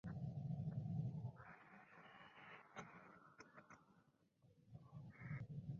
La película fue producida para televisión por Hallmark Entertainment.